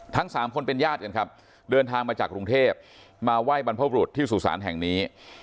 ทั้งสามคนเป็นญาติกันครับเดินทางมาจากกรุงเทพมาไหว้บรรพบรุษที่สุสานแห่งนี้